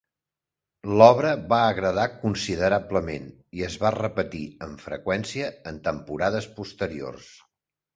L'obra va agradar considerablement i es va repetir amb freqüència en temporades posteriors.